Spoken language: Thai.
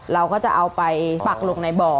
เราก็จะเอาไปปักลงในบ่อ